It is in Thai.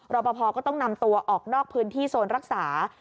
รอปภก็ต้องนำตัวออกนอกพื้นที่โซนรักษา